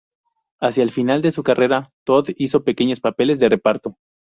Hacia el final de su carrera, Todd hizo pequeños papeles de reparto.